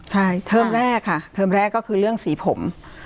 ใช่เทอมแรกค่ะเทอมแรกก็คือเรื่องสีผม